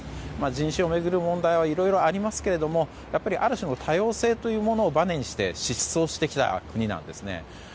人種を巡る問題はいろいろありますが、ある種の多様性というものをばねにして疾走をしてきた国なんですね。